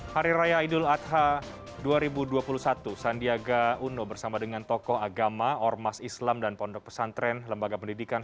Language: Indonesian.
hari raya idul adha dua ribu dua puluh satu sandiaga uno bersama dengan tokoh agama ormas islam dan pondok pesantren lembaga pendidikan